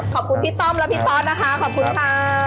ขอบคุณพี่ต้อมและพี่ตอสนะคะขอบคุณค่ะ